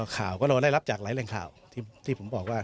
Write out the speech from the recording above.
ข่าวก็เราได้รับจากหลายแหล่งข่าวที่ผมบอกว่า